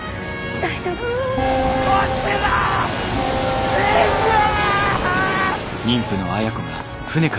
大丈夫か？